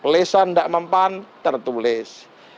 lesan gak mempan tertulis